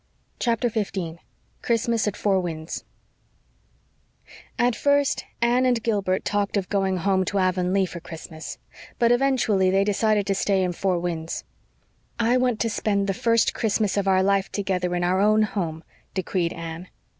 CHAPTER 15 CHRISTMAS AT FOUR WINDS At first Anne and Gilbert talked of going home to Avonlea for Christmas; but eventually they decided to stay in Four Winds. "I want to spend the first Christmas of our life together in our own home," decreed Anne.